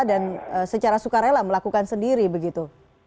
dan secara sukarela melakukan sendiri begitu